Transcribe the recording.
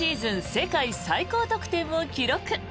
世界最高得点を記録。